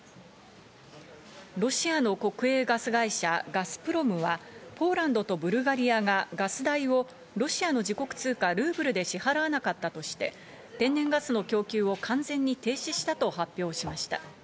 ロシアの国営ガス会社ガスプロムはポーランドとブルガリアがガス代をロシアの自国通貨ルーブルで支払わなかったとして天然ガスの供給を完全に停止したと発表しました。